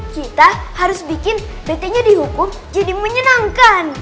kita harus bikin retinya dihukum jadi menyenangkan